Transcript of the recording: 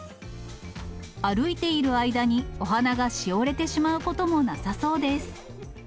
歩いている間にお花がしおれてしまうこともなさそうです。